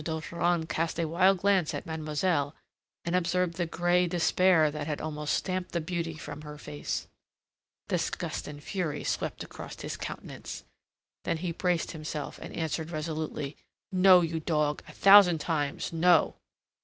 d'Ogeron cast a wild glance at mademoiselle, and observed the grey despair that had almost stamped the beauty from her face. Disgust and fury swept across his countenance. Then he braced himself and answered resolutely: "No, you dog! A thousand times, no!"